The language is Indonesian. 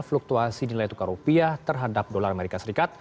fluktuasi nilai tukar rupiah terhadap dolar as